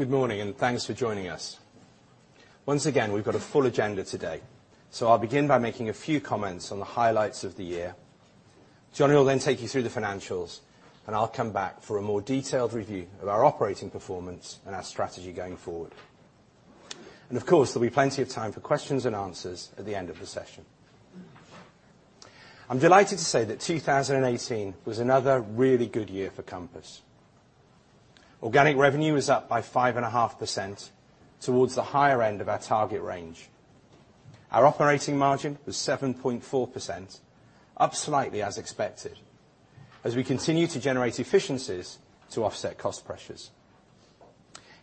Good morning, and thanks for joining us. Once again, we've got a full agenda today. I'll begin by making a few comments on the highlights of the year. Johnny will then take you through the financials. I'll come back for a more detailed review of our operating performance and our strategy going forward. Of course, there'll be plenty of time for questions and answers at the end of the session. I'm delighted to say that 2018 was another really good year for Compass. Organic revenue is up by 5.5% towards the higher end of our target range. Our operating margin was 7.4%, up slightly as expected, as we continue to generate efficiencies to offset cost pressures.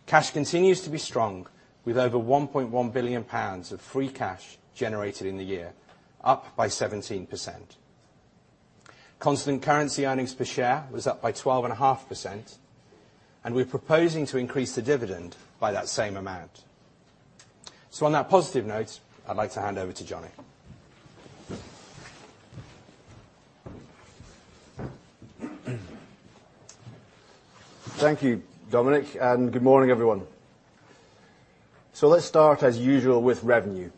Cash continues to be strong, with over 1.1 billion pounds of free cash generated in the year, up by 17%. Constant currency earnings per share was up by 12.5%. We're proposing to increase the dividend by that same amount. On that positive note, I'd like to hand over to Johnny. Thank you, Dominic. Good morning, everyone. Let's start, as usual, with revenue.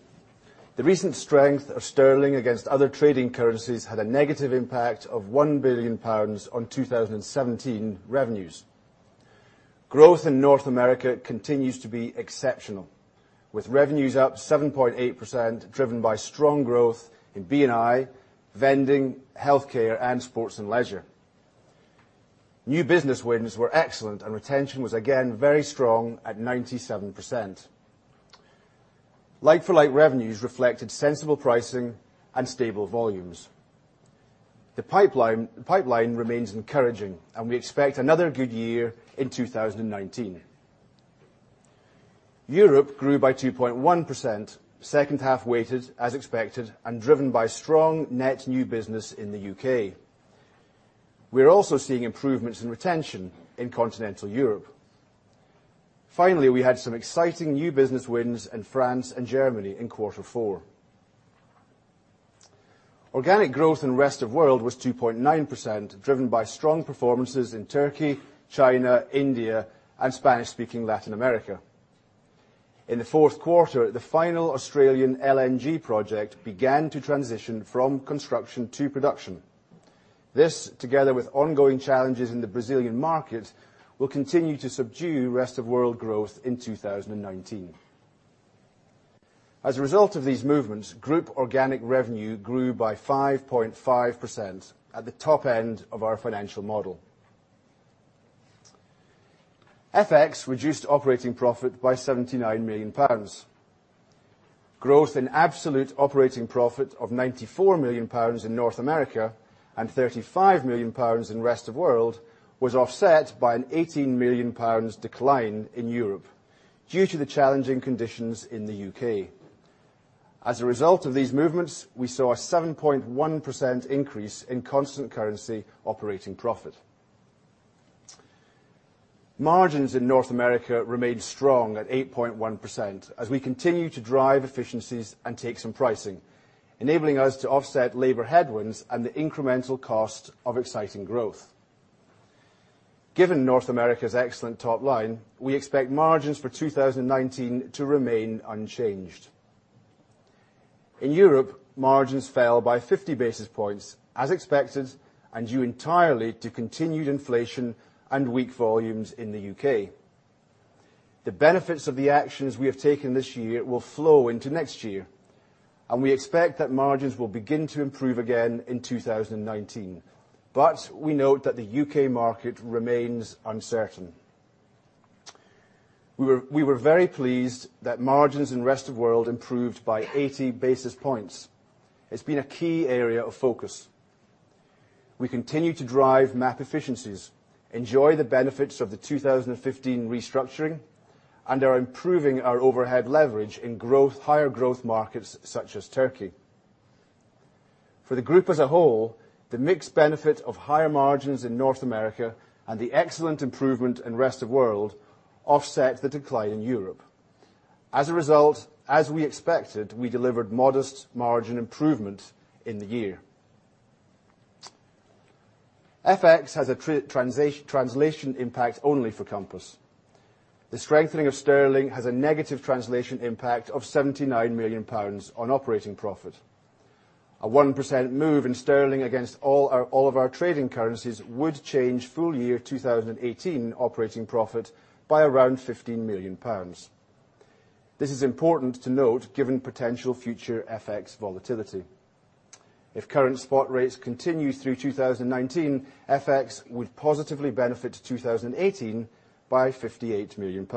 The recent strength of sterling against other trading currencies had a negative impact of 1 billion pounds on 2017 revenues. Growth in North America continues to be exceptional, with revenues up 7.8%, driven by strong growth in B&I, Vending, Healthcare, and Sports & Leisure. New business wins were excellent. Retention was again very strong at 97%. Like-for-like revenues reflected sensible pricing and stable volumes. The pipeline remains encouraging. We expect another good year in 2019. Europe grew by 2.1%, second half weighted as expected. Driven by strong net new business in the U.K. We're also seeing improvements in retention in Continental Europe. Finally, we had some exciting new business wins in France and Germany in quarter four. Organic growth in Rest of World was 2.9%, driven by strong performances in Turkey, China, India, and Spanish-speaking Latin America. In the fourth quarter, the final Australian LNG project began to transition from construction to production. This, together with ongoing challenges in the Brazilian market, will continue to subdue Rest of World growth in 2019. As a result of these movements, group organic revenue grew by 5.5% at the top end of our financial model. FX reduced operating profit by 79 million pounds. Growth in absolute operating profit of 94 million pounds in North America and 35 million pounds in Rest of World was offset by an 18 million pounds decline in Europe due to the challenging conditions in the U.K. As a result of these movements, we saw a 7.1% increase in constant currency operating profit. Margins in North America remained strong at 8.1% as we continue to drive efficiencies and take some pricing, enabling us to offset labor headwinds and the incremental cost of exciting growth. Given North America's excellent top line, we expect margins for 2019 to remain unchanged. In Europe, margins fell by 50 basis points as expected, and due entirely to continued inflation and weak volumes in the U.K. The benefits of the actions we have taken this year will flow into next year. We expect that margins will begin to improve again in 2019. We note that the U.K. market remains uncertain. We were very pleased that margins in Rest of World improved by 80 basis points. It's been a key area of focus. We continue to drive MAP efficiencies, enjoy the benefits of the 2015 restructuring, and are improving our overhead leverage in higher growth markets such as Turkey. For the group as a whole, the mixed benefit of higher margins in North America and the excellent improvement in Rest of World offset the decline in Europe. As a result, as we expected, we delivered modest margin improvement in the year. FX has a translation impact only for Compass. The strengthening of sterling has a negative translation impact of 79 million pounds on operating profit. A 1% move in sterling against all of our trading currencies would change full year 2018 operating profit by around 15 million pounds. This is important to note, given potential future FX volatility. If current spot rates continue through 2019, FX would positively benefit 2018 by GBP 58 million.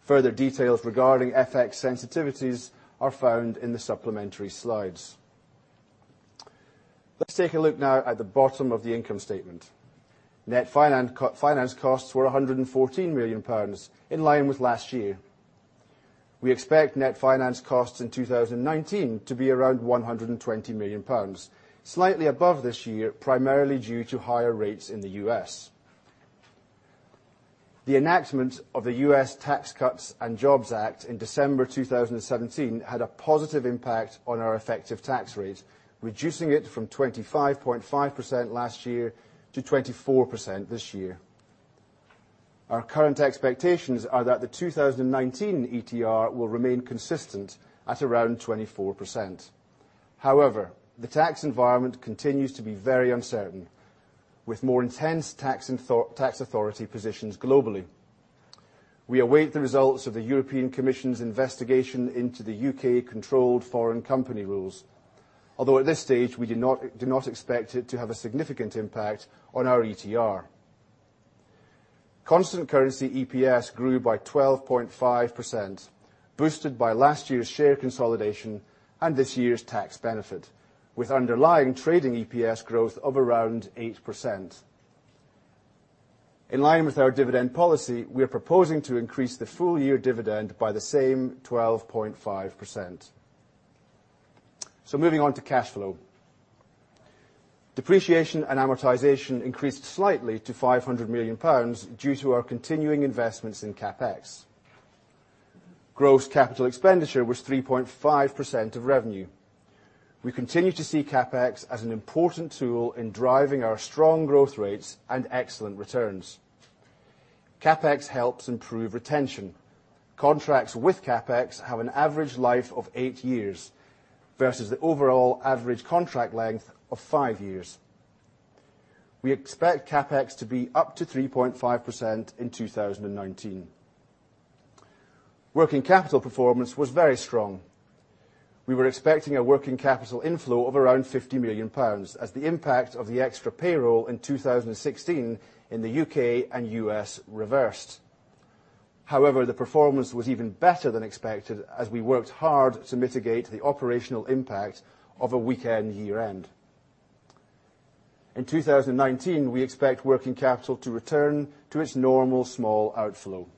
Further details regarding FX sensitivities are found in the supplementary slides. Let's take a look now at the bottom of the income statement. Net finance costs were 114 million pounds, in line with last year. We expect net finance costs in 2019 to be around 120 million pounds, slightly above this year, primarily due to higher rates in the U.S. The enactment of the U.S. Tax Cuts and Jobs Act in December 2017 had a positive impact on our effective tax rate, reducing it from 25.5% last year to 24% this year. Our current expectations are that the 2019 ETR will remain consistent at around 24%. However, the tax environment continues to be very uncertain, with more intense tax authority positions globally. We await the results of the European Commission's investigation into the U.K. controlled foreign company rules, although at this stage we do not expect it to have a significant impact on our ETR. Constant currency EPS grew by 12.5%, boosted by last year's share consolidation and this year's tax benefit, with underlying trading EPS growth of around 8%. In line with our dividend policy, we are proposing to increase the full year dividend by the same 12.5%. Moving on to cash flow. Depreciation and amortization increased slightly to 500 million pounds due to our continuing investments in CapEx. Gross capital expenditure was 3.5% of revenue. We continue to see CapEx as an important tool in driving our strong growth rates and excellent returns. CapEx helps improve retention. Contracts with CapEx have an average life of eight years versus the overall average contract length of five years. We expect CapEx to be up to 3.5% in 2019. Working capital performance was very strong. We were expecting a working capital inflow of around 50 million pounds as the impact of the extra payroll in 2016 in the U.K. and U.S. reversed. However, the performance was even better than expected as we worked hard to mitigate the operational impact of a weekend year-end. In 2019, we expect working capital to return to its normal small outflow.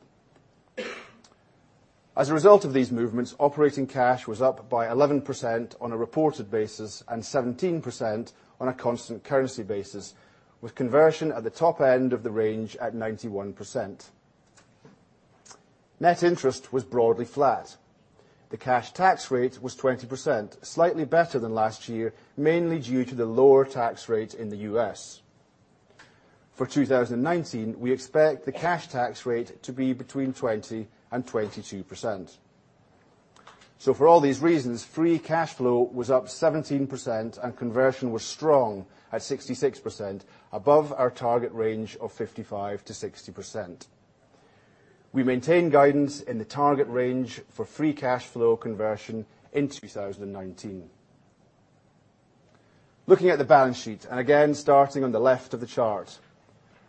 As a result of these movements, operating cash was up by 11% on a reported basis, and 17% on a constant currency basis, with conversion at the top end of the range at 91%. Net interest was broadly flat. The cash tax rate was 20%, slightly better than last year, mainly due to the lower tax rates in the U.S. For 2019, we expect the cash tax rate to be between 20% and 22%. For all these reasons, free cash flow was up 17% and conversion was strong at 66%, above our target range of 55%-60%. We maintain guidance in the target range for free cash flow conversion in 2019. Looking at the balance sheet, again, starting on the left of the chart,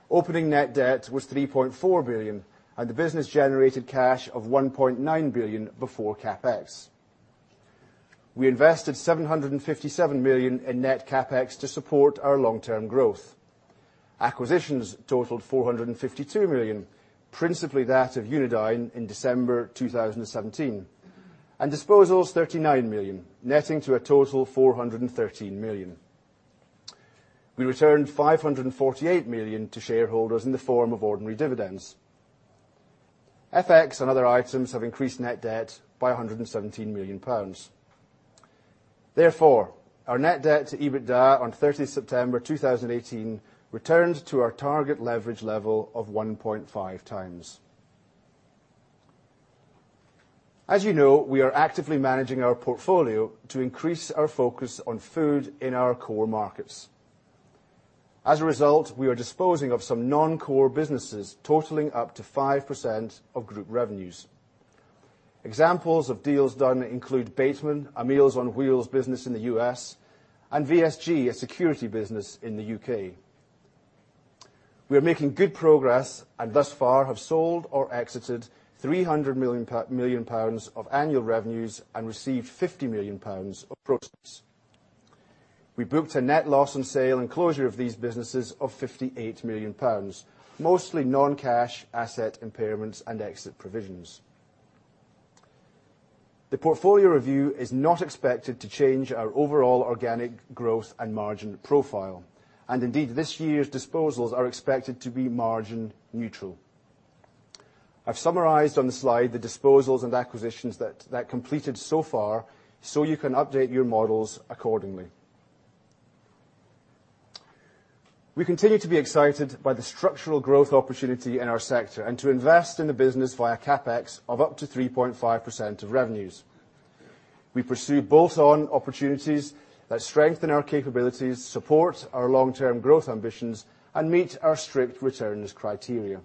opening net debt was 3.4 billion, and the business generated cash of 1.9 billion before CapEx. We invested 757 million in net CapEx to support our long-term growth. Acquisitions totaled 452 million, principally that of Unidine in December 2017. Disposals, 39 million, netting to a total 413 million. We returned 548 million to shareholders in the form of ordinary dividends. FX and other items have increased net debt by 117 million pounds. Therefore, our net debt to EBITDA on 30 September 2018 returned to our target leverage level of 1.5x. As you know, we are actively managing our portfolio to increase our focus on food in our core markets. As a result, we are disposing of some non-core businesses totaling up to 5% of group revenues. Examples of deals done include Bateman, a meals on wheels business in the U.S., and VSG, a security business in the U.K. We are making good progress and thus far have sold or exited 300 million pounds of annual revenues and received 50 million pounds of proceeds. We booked a net loss on sale and closure of these businesses of 58 million pounds. Mostly non-cash asset impairments and exit provisions. The portfolio review is not expected to change our overall organic growth and margin profile. Indeed, this year's disposals are expected to be margin neutral. I've summarized on the slide the disposals and acquisitions that completed so far so you can update your models accordingly. We continue to be excited by the structural growth opportunity in our sector and to invest in the business via CapEx of up to 3.5% of revenues. We pursue bolt-on opportunities that strengthen our capabilities, support our long-term growth ambitions, and meet our strict returners' criteria.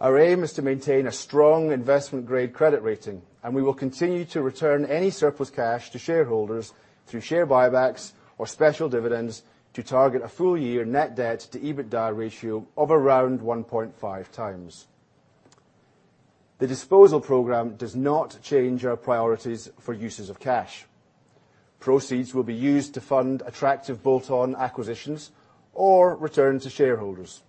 Our aim is to maintain a strong investment-grade credit rating, and we will continue to return any surplus cash to shareholders through share buybacks or special dividends to target a full-year net debt to EBITDA ratio of around 1.5x. The disposal program does not change our priorities for uses of cash. Proceeds will be used to fund attractive bolt-on acquisitions or return to shareholders.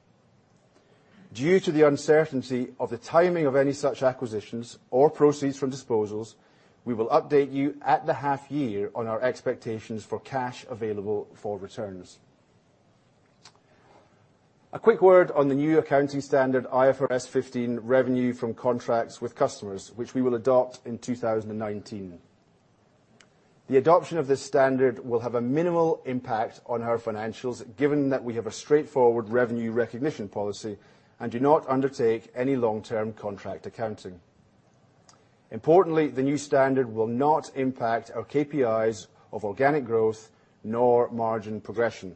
Due to the uncertainty of the timing of any such acquisitions or proceeds from disposals, we will update you at the half year on our expectations for cash available for returns. A quick word on the new accounting standard, IFRS 15: Revenue from Contracts with Customers, which we will adopt in 2019. The adoption of this standard will have a minimal impact on our financials, given that we have a straightforward revenue recognition policy and do not undertake any long-term contract accounting. Importantly, the new standard will not impact our KPIs of organic growth, nor margin progression.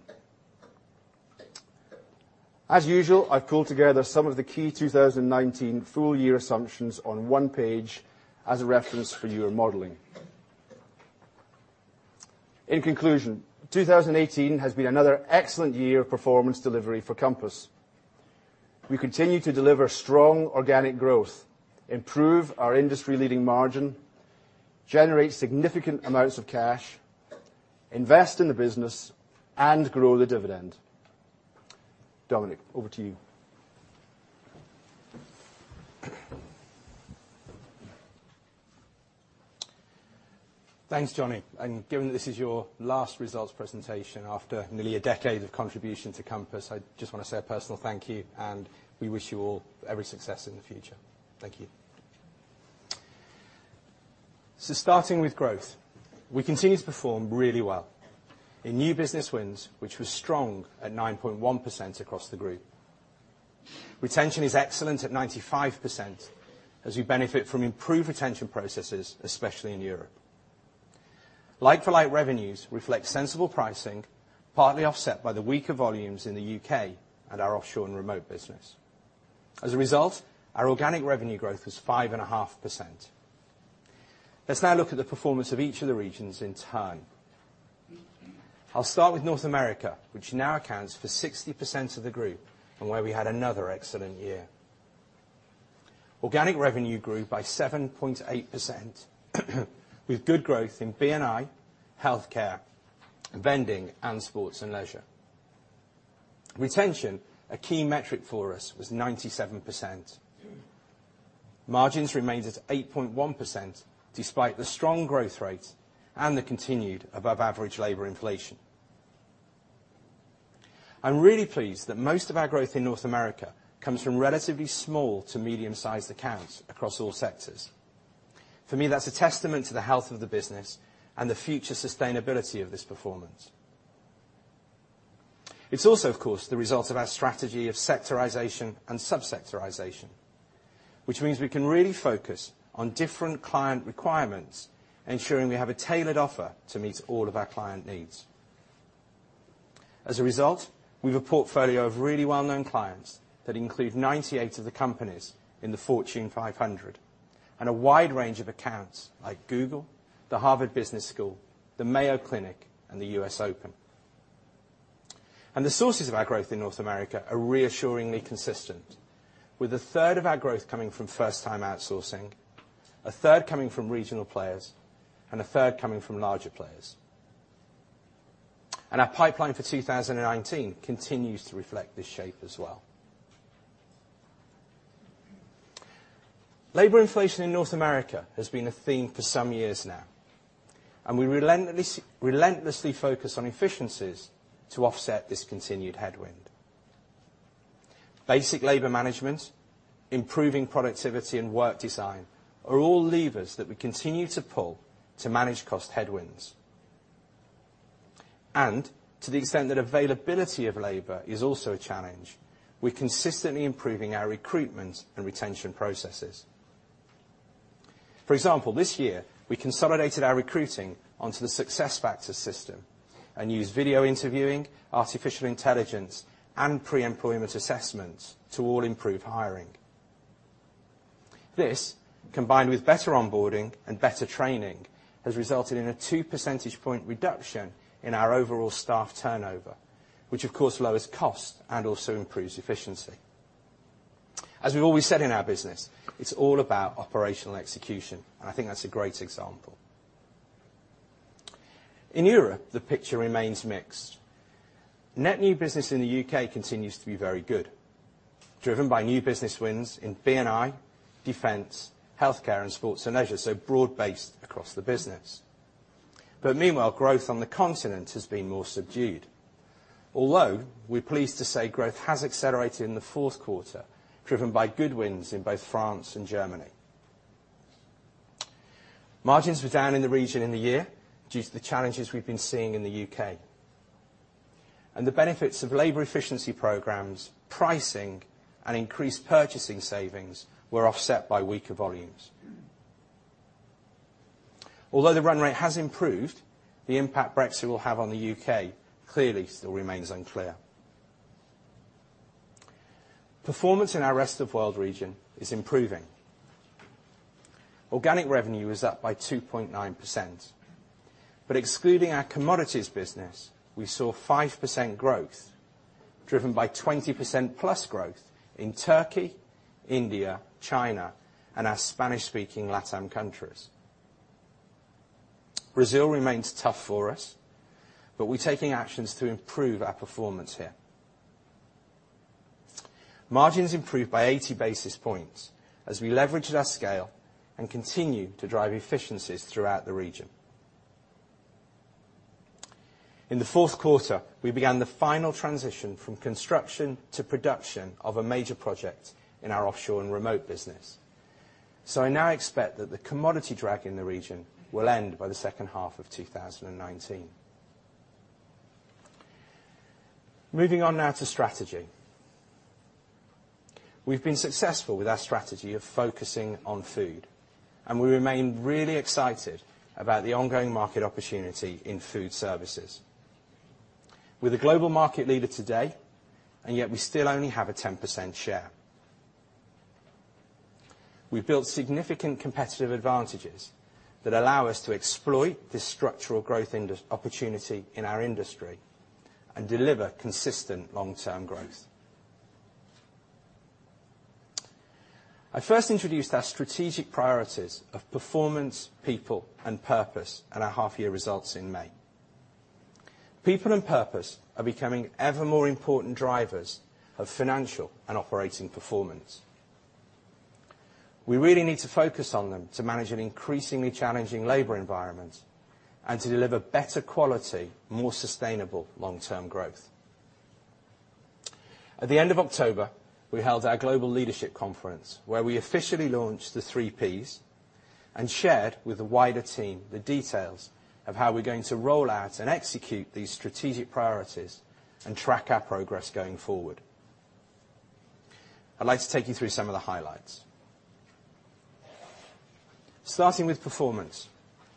As usual, I've pulled together some of the key 2019 full year assumptions on one page as a reference for your modeling. In conclusion, 2018 has been another excellent year of performance delivery for Compass. We continue to deliver strong organic growth, improve our industry leading margin, generate significant amounts of cash, invest in the business, and grow the dividend. Dominic, over to you. Thanks, Johnny. Given that this is your last results presentation after nearly a decade of contribution to Compass, I just want to say a personal thank you, and we wish you all every success in the future. Thank you. Starting with growth, we continue to perform really well in new business wins, which was strong at 9.1% across the group. Retention is excellent at 95%, as we benefit from improved retention processes, especially in Europe. Like-for-like revenues reflect sensible pricing, partly offset by the weaker volumes in the U.K. and our offshore and remote business. As a result, our organic revenue growth was 5.5%. Let's now look at the performance of each of the regions in turn. I'll start with North America, which now accounts for 60% of the group and where we had another excellent year. Organic revenue grew by 7.8%, with good growth in B&I, Healthcare, Vending, and Sports and Leisure. Retention, a key metric for us, was 97%. Margins remained at 8.1%, despite the strong growth rate and the continued above average labor inflation. I'm really pleased that most of our growth in North America comes from relatively small to medium sized accounts across all sectors. For me, that's a testament to the health of the business and the future sustainability of this performance. It's also, of course, the result of our strategy of sectorization and sub-sectorization, which means we can really focus on different client requirements, ensuring we have a tailored offer to meet all of our client needs. As a result, we've a portfolio of really well-known clients that include 98 of the companies in the Fortune 500 and a wide range of accounts like Google, the Harvard Business School, the Mayo Clinic, and the U.S. Open. The sources of our growth in North America are reassuringly consistent with a third of our growth coming from first-time outsourcing, a third coming from regional players, and a third coming from larger players. Our pipeline for 2019 continues to reflect this shape as well. Labor inflation in North America has been a theme for some years now, and we relentlessly focus on efficiencies to offset this continued headwind. Basic labor management, improving productivity and work design are all levers that we continue to pull to manage cost headwinds. To the extent that availability of labor is also a challenge, we're consistently improving our recruitment and retention processes. For example, this year we consolidated our recruiting onto the SuccessFactors system and used video interviewing, artificial intelligence, and pre-employment assessments to all improve hiring. This, combined with better onboarding and better training, has resulted in a 2 percentage point reduction in our overall staff turnover, which of course lowers cost and also improves efficiency. As we've always said in our business, it's all about operational execution, I think that's a great example. In Europe, the picture remains mixed. Net new business in the U.K. continues to be very good, driven by new business wins in B&I, Defence, Healthcare, and Sports & Leisure, so broad-based across the business. Meanwhile, growth on the continent has been more subdued, although we're pleased to say growth has accelerated in the fourth quarter, driven by good wins in both France and Germany. Margins were down in the region in the year due to the challenges we've been seeing in the U.K. The benefits of labor efficiency programs, pricing, and increased purchasing savings were offset by weaker volumes. Although the run rate has improved, the impact Brexit will have on the U.K. clearly still remains unclear. Performance in our rest of world region is improving. Organic revenue is up by 2.9%. Excluding our commodities business, we saw 5% growth driven by 20%+ growth in Turkey, India, China, and our Spanish speaking LatAm countries. Brazil remains tough for us, but we're taking actions to improve our performance here. Margins improved by 80 basis points as we leveraged our scale and continue to drive efficiencies throughout the region. In the fourth quarter, we began the final transition from construction to production of a major project in our offshore and remote business. I now expect that the commodity drag in the region will end by the second half of 2019. Moving on now to strategy. We've been successful with our strategy of focusing on food, and we remain really excited about the ongoing market opportunity in food services. We're the global market leader today, and yet we still only have a 10% share. We've built significant competitive advantages that allow us to exploit this structural growth industry opportunity in our industry and deliver consistent long-term growth. I first introduced our strategic priorities of performance, people, and purpose at our half-year results in May. People and purpose are becoming ever more important drivers of financial and operating performance. We really need to focus on them to manage an increasingly challenging labor environment and to deliver better quality, more sustainable long-term growth. At the end of October, we held our global leadership conference, where we officially launched the three Ps and shared with the wider team the details of how we're going to roll out and execute these strategic priorities and track our progress going forward. I'd like to take you through some of the highlights. Starting with performance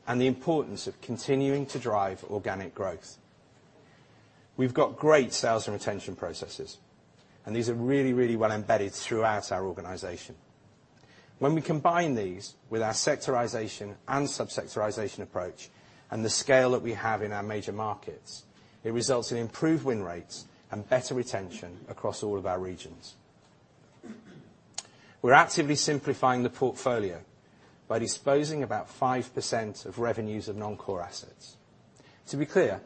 and the importance of continuing to drive organic growth. We've got great sales and retention processes. These are really well embedded throughout our organization. When we combine these with our sectorization and sub-sectorization approach and the scale that we have in our major markets, it results in improved win rates and better retention across all of our regions. We're actively simplifying the portfolio by disposing about 5% of revenues of non-core assets. To be clear,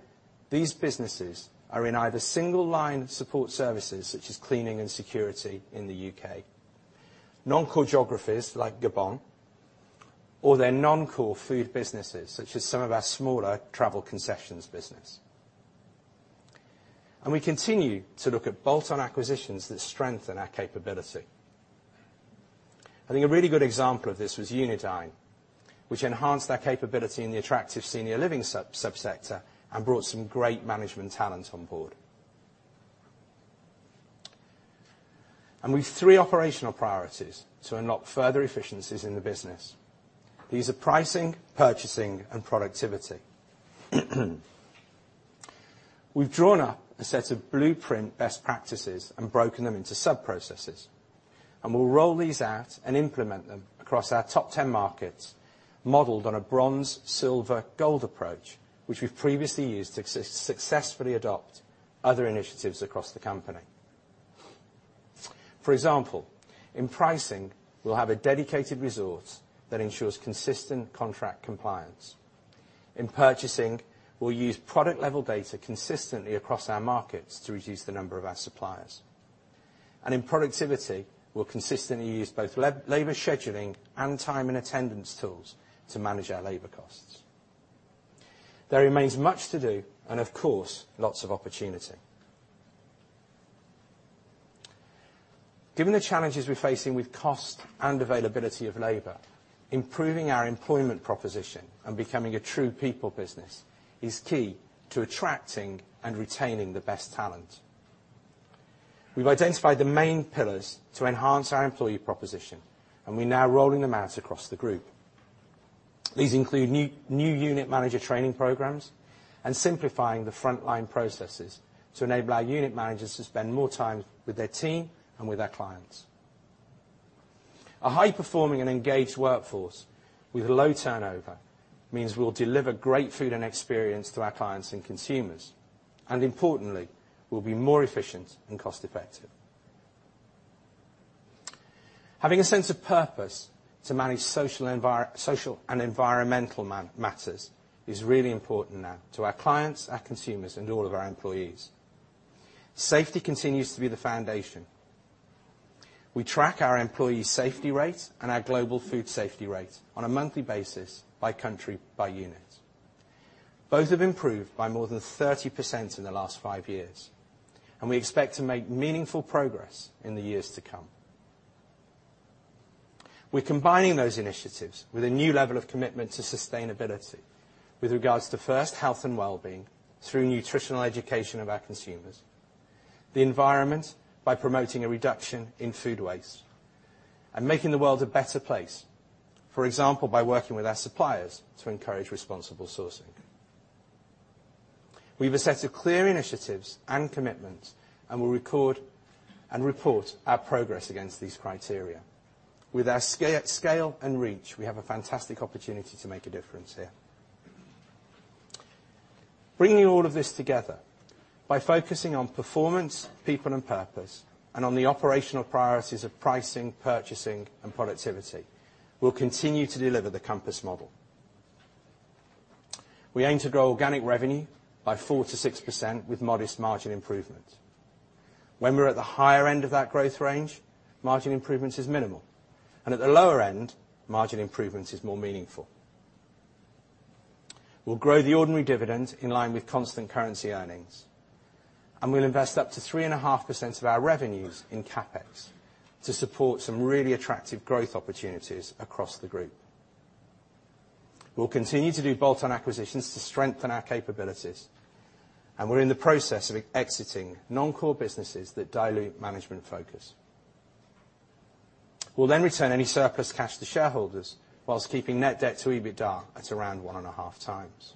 these businesses are in either single line of support services, such as cleaning and security in the U.K., non-core geographies like Gabon, or they're non-core food businesses, such as some of our smaller travel concessions business. We continue to look at bolt-on acquisitions that strengthen our capability. I think a really good example of this was Unidine, which enhanced our capability in the attractive senior living subsector and brought some great management talent on board. We have three operational priorities to unlock further efficiencies in the business. These are pricing, purchasing, and productivity. We've drawn up a set of blueprint best practices and broken them into sub-processes, and we'll roll these out and implement them across our top 10 markets, modeled on a bronze, silver, gold approach, which we've previously used to successfully adopt other initiatives across the company. For example, in pricing, we'll have a dedicated resource that ensures consistent contract compliance. In purchasing, we'll use product-level data consistently across our markets to reduce the number of our suppliers. In productivity, we'll consistently use both labor scheduling and time and attendance tools to manage our labor costs. There remains much to do and, of course, lots of opportunity. Given the challenges we're facing with cost and availability of labor, improving our employment proposition and becoming a true people business is key to attracting and retaining the best talent. We've identified the main pillars to enhance our employee proposition, and we're now rolling them out across the group. These include new unit manager training programs and simplifying the frontline processes to enable our unit managers to spend more time with their team and with our clients. A high-performing and engaged workforce with low turnover means we'll deliver great food and experience to our clients and consumers, and importantly, we'll be more efficient and cost-effective. Having a sense of purpose to manage social and environmental matters is really important now to our clients, our consumers, and all of our employees. Safety continues to be the foundation. We track our employee safety rate and our global food safety rate on a monthly basis by country, by unit. Both have improved by more than 30% in the last five years, and we expect to make meaningful progress in the years to come. We're combining those initiatives with a new level of commitment to sustainability with regards to, first, health and wellbeing through nutritional education of our consumers, the environment by promoting a reduction in food waste, and making the world a better place, for example, by working with our suppliers to encourage responsible sourcing. We have a set of clear initiatives and commitments, and we'll record and report our progress against these criteria. With our scale and reach, we have a fantastic opportunity to make a difference here. Bringing all of this together by focusing on performance, people, and purpose, and on the operational priorities of pricing, purchasing, and productivity, we'll continue to deliver the Compass model. We aim to grow organic revenue by 4%-6% with modest margin improvement. When we're at the higher end of that growth range, margin improvements is minimal, and at the lower end, margin improvements is more meaningful. We'll grow the ordinary dividend in line with constant currency earnings. We'll invest up to 3.5% of our revenues in CapEx to support some really attractive growth opportunities across the group. We'll continue to do bolt-on acquisitions to strengthen our capabilities, and we're in the process of exiting non-core businesses that dilute management focus. We'll return any surplus cash to shareholders whilst keeping net debt to EBITDA at around 1.5x.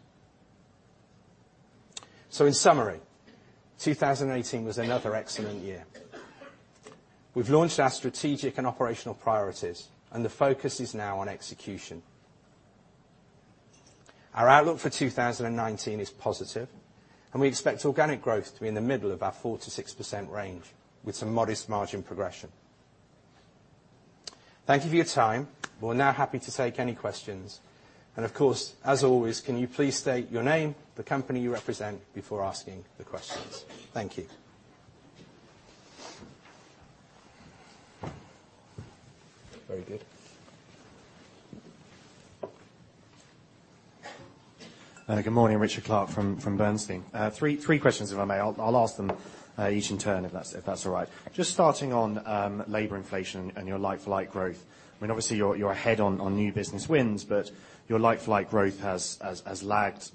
In summary, 2018 was another excellent year. We've launched our strategic and operational priorities, and the focus is now on execution. Our outlook for 2019 is positive, and we expect organic growth to be in the middle of our 4%-6% range with some modest margin progression. Thank you for your time. We're now happy to take any questions. Of course, as always, can you please state your name, the company you represent, before asking the questions? Thank you. Very good. Good morning. Richard Clarke from Bernstein. Three questions, if I may. I'll ask them each in turn, if that's all right. Just starting on labor inflation and your like-for-like growth. Obviously, you're ahead on new business wins, but your like-for-like growth has lagged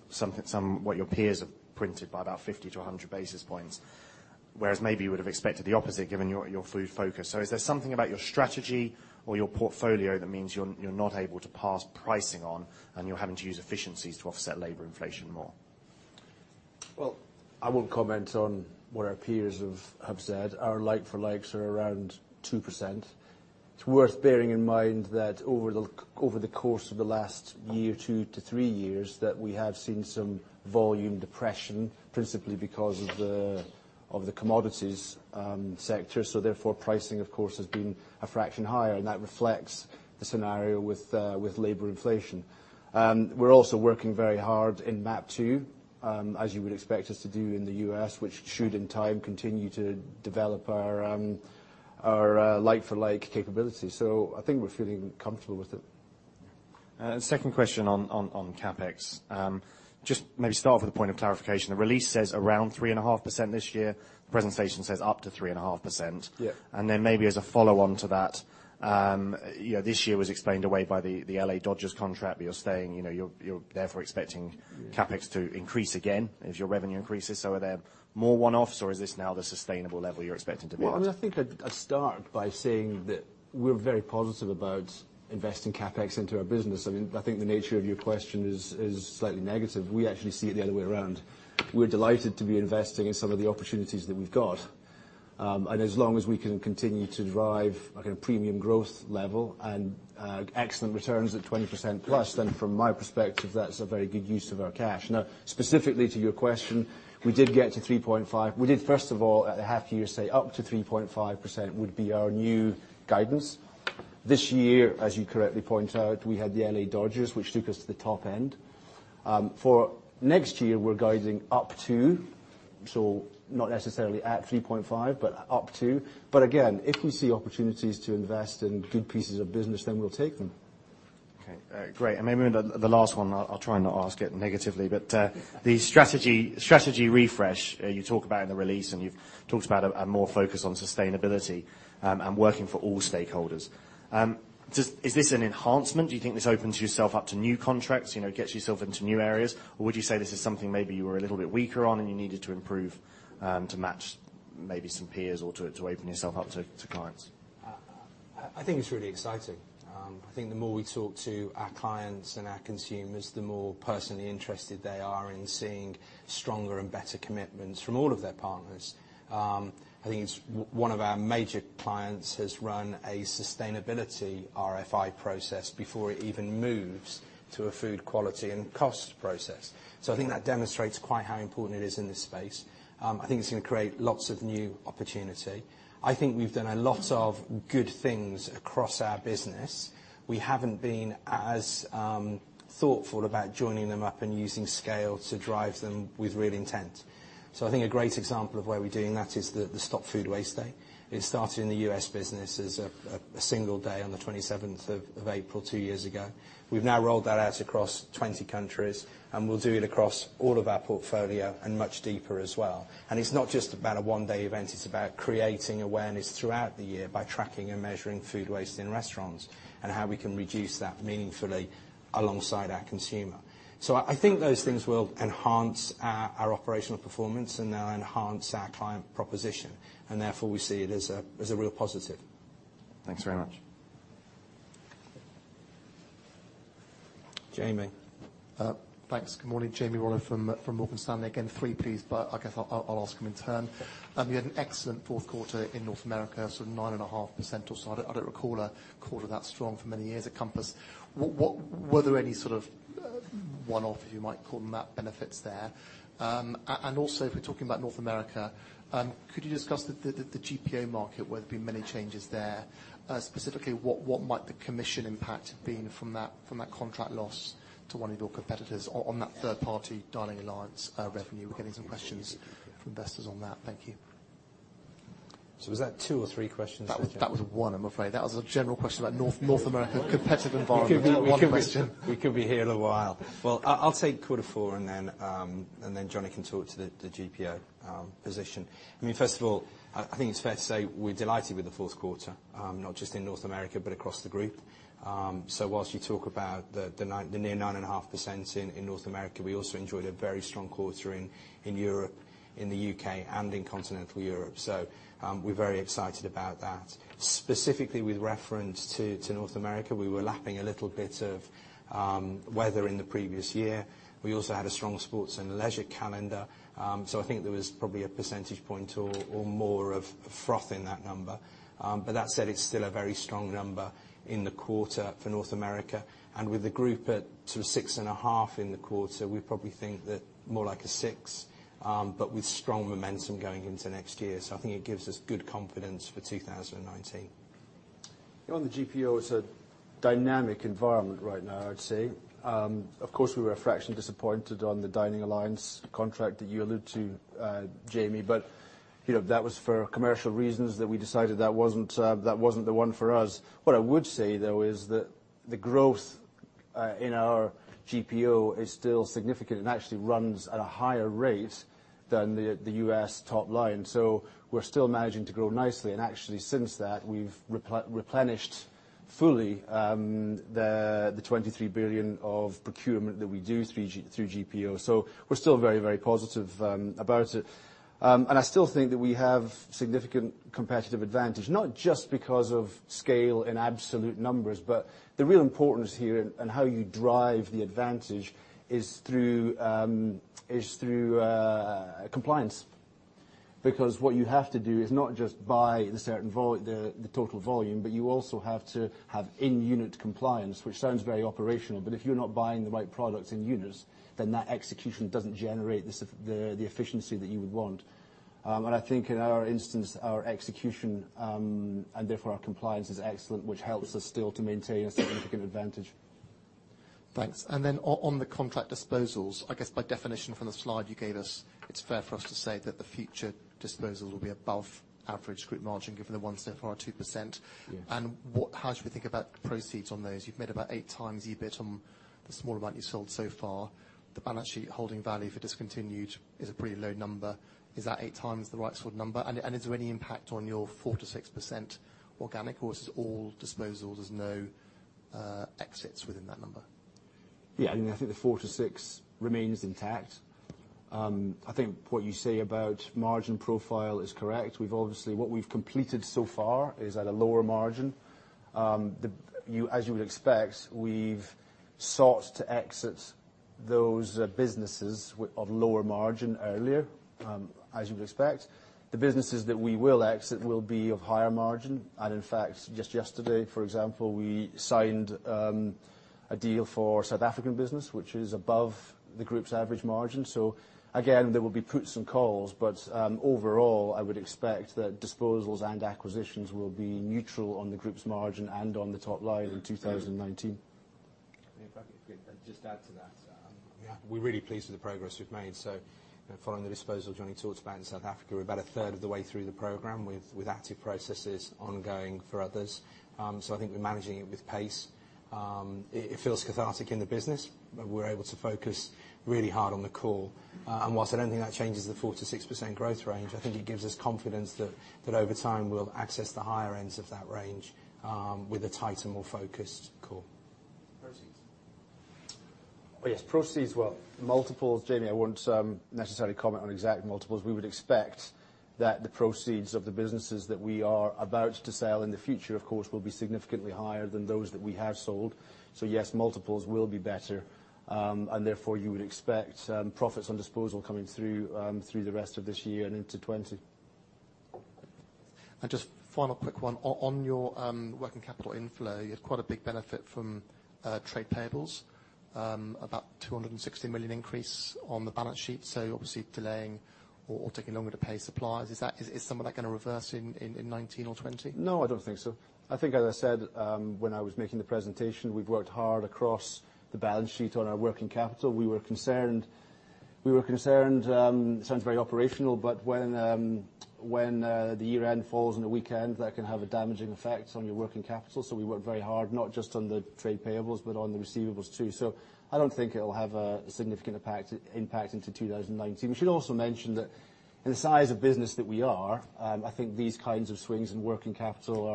what your peers have printed by about 50-100 basis points. Whereas maybe you would've expected the opposite given your food focus. Is there something about your strategy or your portfolio that means you're not able to pass pricing on, and you're having to use efficiencies to offset labor inflation more? Well, I won't comment on what our peers have said. Our like-for-likes are around 2%. It's worth bearing in mind that over the course of the last year, two to three years, that we have seen some volume depression, principally because of the commodities sector. Therefore, pricing, of course, has been a fraction higher, and that reflects the scenario with labor inflation. We're also working very hard in MAP 2, as you would expect us to do in the U.S., which should in time continue to develop our like-for-like capability. I think we're feeling comfortable with it. Second question on CapEx. Just maybe start with a point of clarification. The release says around 3.5% this year. Presentation says up to 3.5%. Yeah. Maybe as a follow-on to that, this year was explained away by the L.A. Dodgers contract, but you're saying you're therefore expecting CapEx to increase again if your revenue increases. Are there more one-offs, or is this now the sustainable level you're expecting to be at? Well, I think I'd start by saying that we're very positive about investing CapEx into our business. I think the nature of your question is slightly negative. We actually see it the other way around. We're delighted to be investing in some of the opportunities that we've got. As long as we can continue to drive a premium growth level and excellent returns at 20%+, then from my perspective, that's a very good use of our cash. Now, specifically to your question, we did get to 3.5%. We did, first of all, at the half year, say up to 3.5% would be our new guidance. This year, as you correctly point out, we had the L.A. Dodgers, which took us to the top end. For next year, we're guiding up to, so not necessarily at 3.5%, but up to. Again, if we see opportunities to invest in good pieces of business, then we'll take them. Okay. Great. Maybe the last one, I'll try not ask it negatively, the strategy refresh you talk about in the release, and you've talked about a more focus on sustainability and working for all stakeholders. Is this an enhancement? Do you think this opens yourself up to new contracts, gets yourself into new areas? Would you say this is something maybe you were a little bit weaker on and you needed to improve to match maybe some peers or to open yourself up to clients? I think it's really exciting. I think the more we talk to our clients and our consumers, the more personally interested they are in seeing stronger and better commitments from all of their partners. I think it's one of our major clients has run a sustainability RFI process before it even moves to a food quality and cost process. I think that demonstrates quite how important it is in this space. I think it's going to create lots of new opportunity. I think we've done a lot of good things across our business. We haven't been as thoughtful about joining them up and using scale to drive them with real intent. I think a great example of where we're doing that is the Stop Food Waste Day. It started in the U.S. business as a single day on the 27th of April two years ago. We've now rolled that out across 20 countries, and we'll do it across all of our portfolio and much deeper as well. It's not just about a one-day event, it's about creating awareness throughout the year by tracking and measuring food waste in restaurants and how we can reduce that meaningfully alongside our consumer. I think those things will enhance our operational performance and they'll enhance our client proposition, therefore we see it as a real positive. Thanks very much. Jamie. Thanks. Good morning. Jamie Rollo from Morgan Stanley. Again, three piece, but I guess I will ask them in turn. You had an excellent fourth quarter in North America, 9.5% or so. I do not recall a quarter that strong for many years at Compass. Were there any sort of one-off, if you might call them that, benefits there? Also, if we are talking about North America, could you discuss the GPO market, where there have been many changes there? Specifically, what might the commission impact have been from that contract loss to one of your competitors on that third-party Dining Alliance revenue? We are getting some questions from investors on that. Thank you. Was that two or three questions, Jamie? That was one, I am afraid. That was a general question about North America competitive environment. Not one question. We could be here a while. I'll take quarter four. Johnny can talk to the GPO position. First of all, I think it's fair to say we're delighted with the fourth quarter, not just in North America, but across the group. Whilst you talk about the near 9.5% in North America, we also enjoyed a very strong quarter in Europe, in the U.K., and in continental Europe. We're very excited about that. Specifically with reference to North America, we were lapping a little bit of weather in the previous year. We also had a strong Sports & Leisure calendar. I think there was probably a percentage point or more of froth in that number. That said, it's still a very strong number in the quarter for North America. With the group at sort of 6.5% in the quarter, we probably think that more like a 6%, with strong momentum going into next year. I think it gives us good confidence for 2019. On the GPO, it's a dynamic environment right now, I'd say. Of course, we were a fraction disappointed on the Dining Alliance contract that you alluded to, Jamie, that was for commercial reasons that we decided that wasn't the one for us. What I would say, though, is that the growth in our GPO is still significant and actually runs at a higher rate than the U.S. top line. We're still managing to grow nicely. Actually, since that, we've replenished fully the 23 billion of procurement that we do through GPO. We're still very, very positive about it. I still think that we have significant competitive advantage, not just because of scale in absolute numbers, the real importance here and how you drive the advantage is through compliance. What you have to do is not just buy the total volume, you also have to have in-unit compliance, which sounds very operational, if you're not buying the right products in units, that execution doesn't generate the efficiency that you would want. I think in our instance, our execution, and therefore our compliance, is excellent, which helps us still to maintain a significant advantage. Thanks. On the contract disposals, I guess by definition from the slide you gave us, it is fair for us to say that the future disposals will be above average group margin, given the 1% or 2%. Yes. How should we think about proceeds on those? You've made about 8x EBIT on the small amount you sold so far. The balance sheet holding value for discontinued is a pretty low number. Is that 8x the right sort of number? Is there any impact on your 4%-6% organic, or is this all disposals? There's no exits within that number. I think the 4%-6% remains intact. I think what you say about margin profile is correct. What we've completed so far is at a lower margin. As you would expect, we've sought to exit those businesses of lower margin earlier, as you would expect. The businesses that we will exit will be of higher margin. In fact, just yesterday, for example, we signed a deal for South African business, which is above the group's average margin. Again, there will be puts and calls, but overall, I would expect that disposals and acquisitions will be neutral on the group's margin and on the top line in 2019. If I could just add to that. We're really pleased with the progress we've made. Following the disposal Johnny talked about in South Africa, we're about a third of the way through the program with active processes ongoing for others. I think we're managing it with pace. It feels cathartic in the business, but we're able to focus really hard on the core. Whilst I don't think that changes the 4%-6% growth range, I think it gives us confidence that over time we'll access the higher ends of that range with a tighter, more focused core. Proceeds. Oh yes, proceeds. Well, multiples, Jamie, I won't necessarily comment on exact multiples. We would expect that the proceeds of the businesses that we are about to sell in the future, of course, will be significantly higher than those that we have sold. Yes, multiples will be better, and therefore you would expect profits on disposal coming through the rest of this year and into 2020. Just final quick one. On your working capital inflow, you had quite a big benefit from trade payables, about 260 million increase on the balance sheet. Obviously delaying or taking longer to pay suppliers. Is some of that going to reverse in 2019 or 2020? No, I don't think so. I think, as I said when I was making the presentation, we've worked hard across the balance sheet on our working capital. We were concerned, it sounds very operational, but when the year end falls on a weekend, that can have a damaging effect on your working capital. We worked very hard, not just on the trade payables, but on the receivables, too. I don't think it'll have a significant impact into 2019. We should also mention that in the size of business that we are, I think these kinds of swings in working capital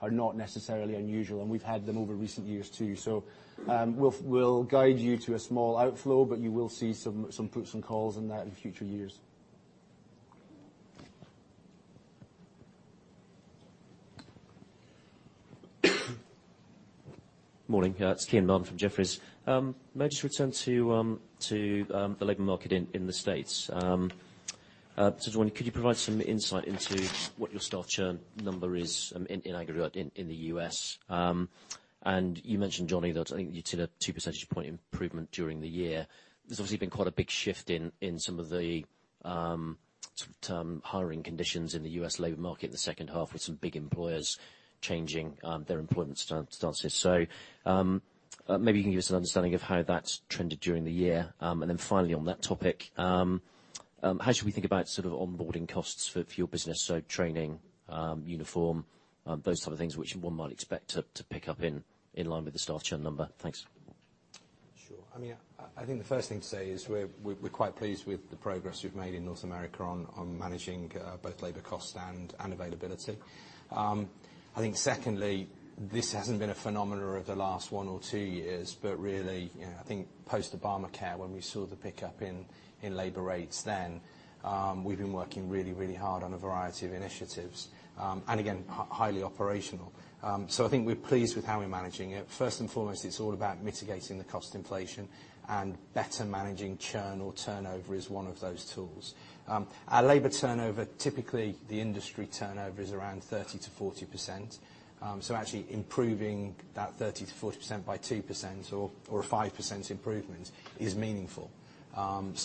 are not necessarily unusual, and we've had them over recent years, too. We'll guide you to a small outflow, but you will see some puts and calls in that in future years. Morning. It's Kean Marden from Jefferies. May I just return to the labor market in the U.S.? Johnny, could you provide some insight into what your staff churn number is in aggregate in the U.S.? You mentioned, Johnny, that I think you did a 2 percentage point improvement during the year. There's obviously been quite a big shift in some of the hiring conditions in the U.S. labor market in the second half with some big employers changing their employment stances. Maybe you can give us an understanding of how that's trended during the year. Finally on that topic, how should we think about sort of onboarding costs for your business? So training, uniform, those type of things which one might expect to pick up in line with the staff churn number. Thanks. Sure. The first thing to say is we're quite pleased with the progress we've made in North America on managing both labor cost and availability. Secondly, this hasn't been a phenomenon of the last one or two years, but really, post-Obamacare, when we saw the pickup in labor rates then, we've been working really, really hard on a variety of initiatives, and again, highly operational. I think we're pleased with how we're managing it. First and foremost, it's all about mitigating the cost inflation and better managing churn or turnover is one of those tools. Our labor turnover, typically, the industry turnover is around 30%-40%. Actually improving that 30%-40% by 2% or a 5% improvement is meaningful.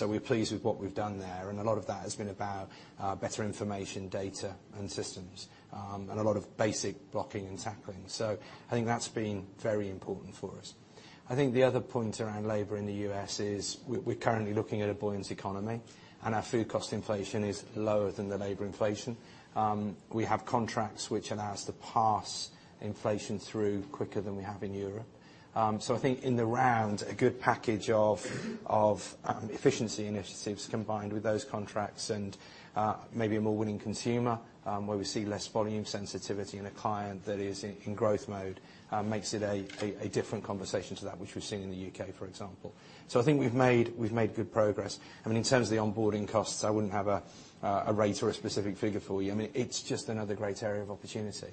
We're pleased with what we've done there, and a lot of that has been about better information, data, and systems, and a lot of basic blocking and tackling. I think that's been very important for us. The other point around labor in the U.S. is we're currently looking at a buoyant economy, and our food cost inflation is lower than the labor inflation. We have contracts which allow us to pass inflation through quicker than we have in Europe. I think in the round, a good package of efficiency initiatives combined with those contracts and maybe a more willing consumer, where we see less volume sensitivity in a client that is in growth mode, makes it a different conversation to that which we've seen in the U.K., for example. I think we've made good progress. In terms of the onboarding costs, I wouldn't have a rate or a specific figure for you. It's just another great area of opportunity.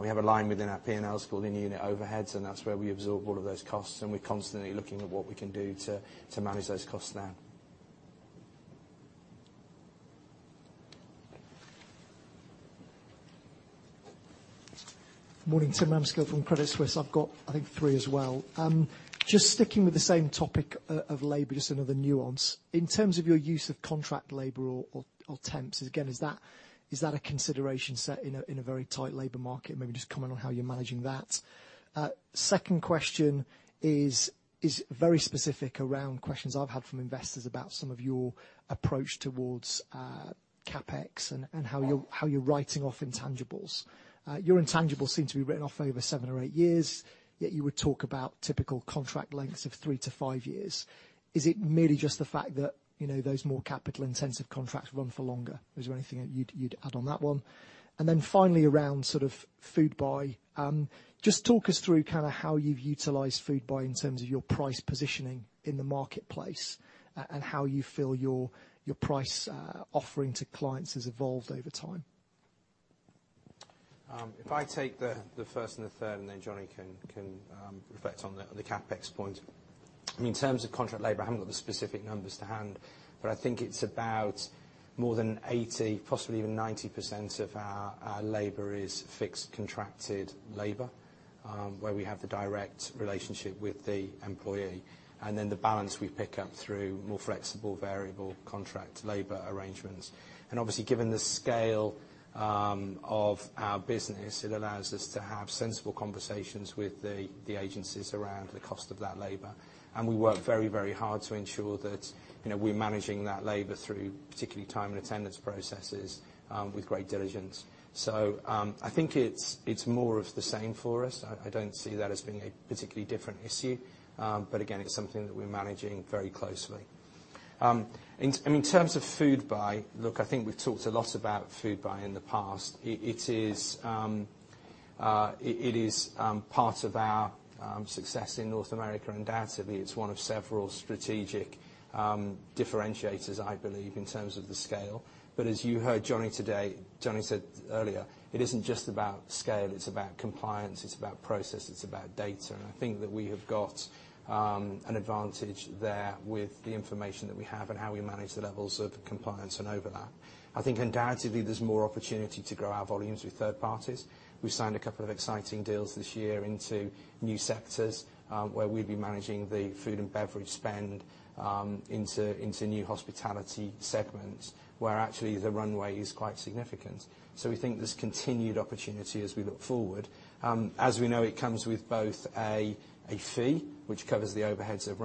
We have a line within our P&L called in-unit overheads, and that's where we absorb all of those costs, and we're constantly looking at what we can do to manage those costs there. Morning, Tim Ramskill from Credit Suisse. I've got, three as well. Just sticking with the same topic of labor, just another nuance. In terms of your use of contract labor or temps, again, is that a consideration set in a very tight labor market? Maybe just comment on how you're managing that. Second question is very specific around questions I've had from investors about some of your approach towards CapEx and how you're writing off intangibles. Your intangibles seem to be written off over seven or eight years, yet you would talk about typical contract lengths of three to five years. Is it merely just the fact that those more capital-intensive contracts run for longer? Is there anything that you'd add on that one? Then finally, around sort of Foodbuy. Just talk us through kind of how you've utilized Foodbuy in terms of your price positioning in the marketplace, and how you feel your price offering to clients has evolved over time. If I take the first and the third, Johnny can reflect on the CapEx point. In terms of contract labor, I haven't got the specific numbers to hand, I think it's about more than 80%, possibly even 90% of our labor is fixed contracted labor, where we have the direct relationship with the employee. The balance we pick up through more flexible variable contract labor arrangements. Obviously, given the scale of our business, it allows us to have sensible conversations with the agencies around the cost of that labor. We work very, very hard to ensure that we're managing that labor through, particularly time and attendance processes, with great diligence. I think it's more of the same for us. I don't see that as being a particularly different issue. Again, it's something that we're managing very closely. In terms of Foodbuy, look, I think we've talked a lot about Foodbuy in the past. It is part of our success in North America, undoubtedly. It's one of several strategic differentiators, I believe, in terms of the scale. As you heard Johnny say earlier, it isn't just about scale, it's about compliance, it's about process, it's about data. I think that we have got an advantage there with the information that we have and how we manage the levels of compliance and overlap. I think undoubtedly, there's more opportunity to grow our volumes with third parties. We signed a couple of exciting deals this year into new sectors, where we'll be managing the food and beverage spend into new hospitality segments, where actually the runway is quite significant. We think there's continued opportunity as we look forward. As we know, it comes with both a fee, which covers the overheads of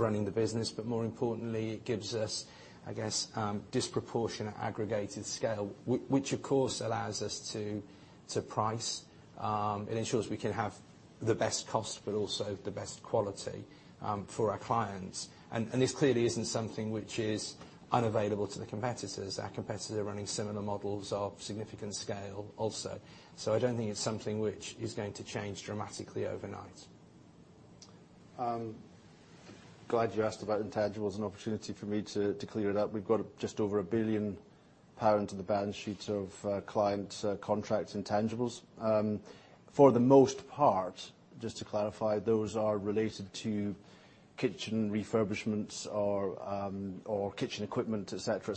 running the business, more importantly, it gives us, I guess, disproportionate aggregated scale, which, of course, allows us to price. It ensures we can have the best cost, also the best quality for our clients. This clearly isn't something which is unavailable to the competitors. Our competitors are running similar models of significant scale also. I don't think it's something which is going to change dramatically overnight. Glad you asked about intangibles, an opportunity for me to clear it up. We've got just over 1 billion pounds to the balance sheet of client contracts intangibles. For the most part, just to clarify, those are related to kitchen refurbishments or kitchen equipment, et cetera.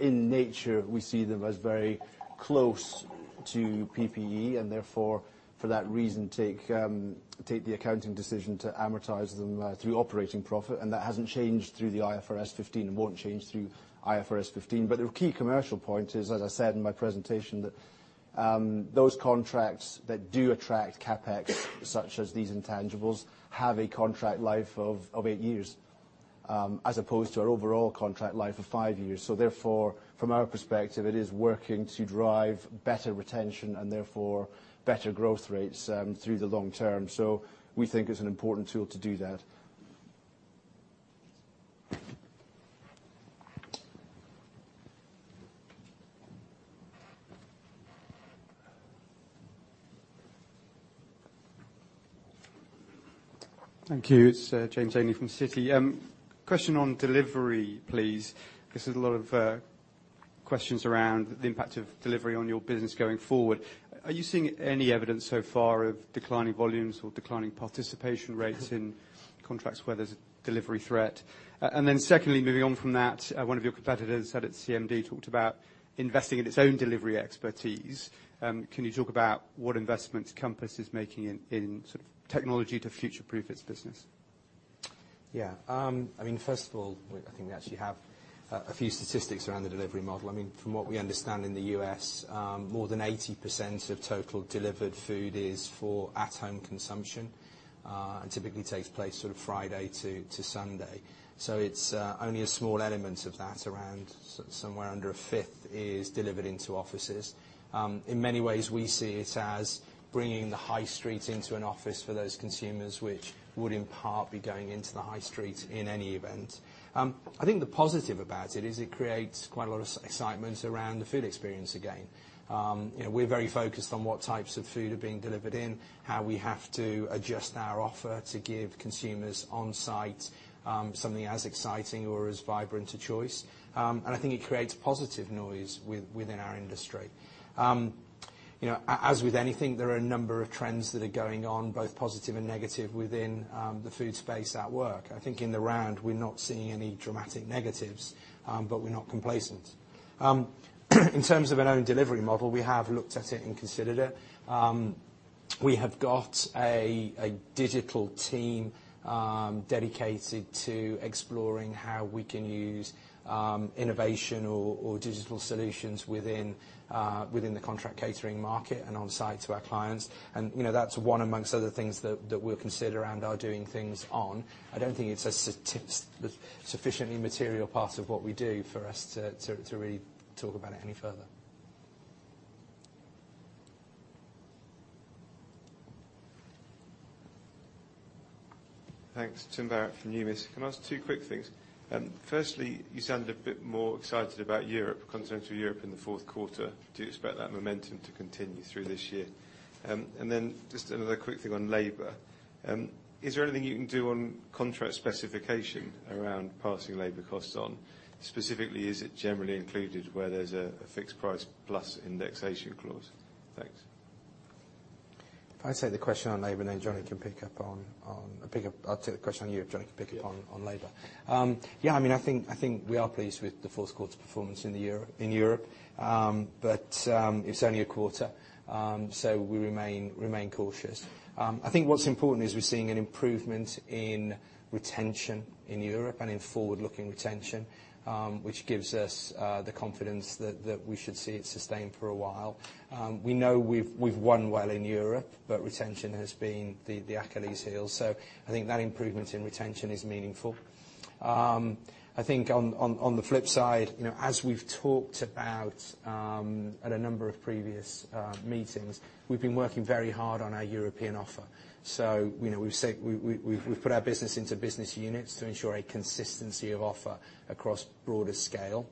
In nature, we see them as very close to PPE, and therefore, for that reason, take the accounting decision to amortize them through operating profit, and that hasn't changed through the IFRS 15, and won't change through IFRS 15. The key commercial point is, as I said in my presentation, Those contracts that do attract CapEx, such as these intangibles, have a contract life of eight years, as opposed to our overall contract life of five years. Therefore, from our perspective, it is working to drive better retention and therefore better growth rates through the long term. We think it's an important tool to do that. Thank you. It's James Ainley from Citi. Question on delivery, please, because there's a lot of questions around the impact of delivery on your business going forward. Are you seeing any evidence so far of declining volumes or declining participation rates in contracts where there's a delivery threat? Secondly, moving on from that, one of your competitors out at CMD talked about investing in its own delivery expertise. Can you talk about what investments Compass is making in technology to future-proof its business? First of all, I think we actually have a few statistics around the delivery model. From what we understand in the U.S., more than 80% of total delivered food is for at-home consumption, and typically takes place Friday to Sunday. It's only a small element of that around somewhere under a fifth is delivered into offices. In many ways, we see it as bringing the high street into an office for those consumers which would in part be going into the high street in any event. I think the positive about it is it creates quite a lot of excitement around the food experience again. We're very focused on what types of food are being delivered in, how we have to adjust our offer to give consumers on-site something as exciting or as vibrant a choice. I think it creates positive noise within our industry. As with anything, there are a number of trends that are going on, both positive and negative, within the food space at work. I think in the round, we're not seeing any dramatic negatives, but we're not complacent. In terms of our own delivery model, we have looked at it and considered it. We have got a digital team dedicated to exploring how we can use innovation or digital solutions within the contract catering market and on-site to our clients. That's one amongst other things that we'll consider and are doing things on. I don't think it's a sufficiently material part of what we do for us to really talk about it any further. Thanks. Tim Barrett from Numis. Can I ask two quick things? Firstly, you sound a bit more excited about Europe, Continental Europe in the fourth quarter. Do you expect that momentum to continue through this year? Then just another quick thing on labor. Is there anything you can do on contract specification around passing labor costs on? Specifically, is it generally included where there's a fixed price plus indexation clause? Thanks. I'll take the question on Europe, Johnny can pick up on labor. Yeah. I think we are pleased with the fourth quarter performance in Europe, but it's only a quarter, we remain cautious. I think what's important is we're seeing an improvement in retention in Europe and in forward-looking retention, which gives us the confidence that we should see it sustained for a while. We know we've won well in Europe, but retention has been the Achilles heel. I think that improvement in retention is meaningful. I think on the flip side, as we've talked about at a number of previous meetings, we've been working very hard on our European offer. We've put our business into business units to ensure a consistency of offer across broader scale.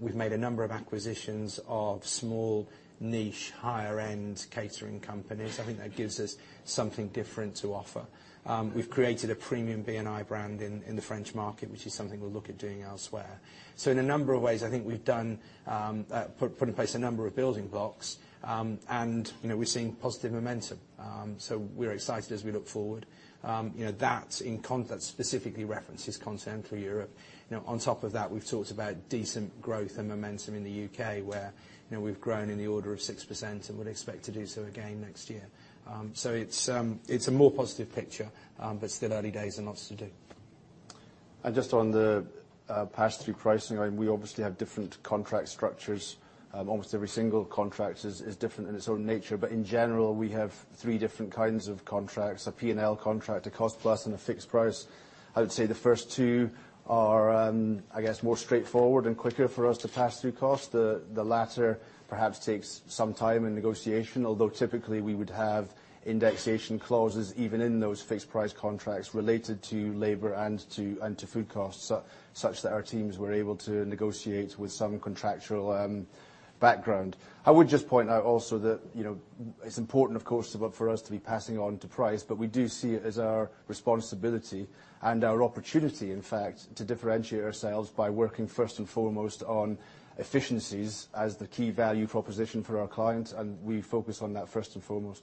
We've made a number of acquisitions of small niche, higher-end catering companies. I think that gives us something different to offer. We've created a premium B&I brand in the French market, which is something we'll look at doing elsewhere. In a number of ways, I think we've put in place a number of building blocks, and we're seeing positive momentum. We're excited as we look forward. That specifically references Continental Europe. On top of that, we've talked about decent growth and momentum in the U.K., where we've grown in the order of 6% and would expect to do so again next year. It's a more positive picture, but still early days and lots to do. Just on the pass-through pricing, we obviously have different contract structures. Almost every single contract is different in its own nature. In general, we have three different kinds of contracts, a P&L contract, a cost plus, and a fixed price. I would say the first two are more straightforward and quicker for us to pass through cost. The latter perhaps takes some time and negotiation, although typically we would have indexation clauses even in those fixed price contracts related to labor and to food costs, such that our teams were able to negotiate with some contractual background. I would just point out also that it's important, of course, for us to be passing on to price, but we do see it as our responsibility and our opportunity, in fact, to differentiate ourselves by working first and foremost on efficiencies as the key value proposition for our clients, and we focus on that first and foremost.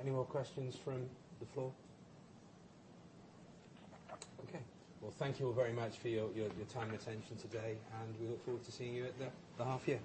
Any more questions from the floor? Okay. Thank you all very much for your time and attention today, and we look forward to seeing you at the half year.